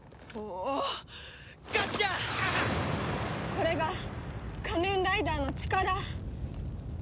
これが仮面ライダーの力！？